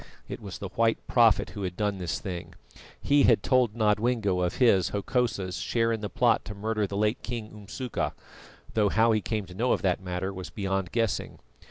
It was the white prophet who had done this thing; he had told Nodwengo of his, Hokosa's, share in the plot to murder the late King Umsuka, though how he came to know of that matter was beyond guessing.